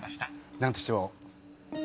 何としても。